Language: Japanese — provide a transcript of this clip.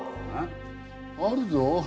あるぞ。